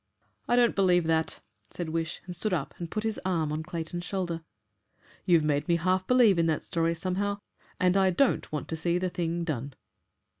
"I don't believe that," said Wish, and stood up and put his arm on Clayton's shoulder. "You've made me half believe in that story somehow, and I don't want to see the thing done!"